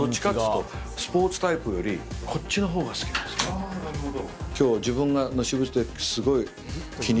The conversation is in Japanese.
あなるほど。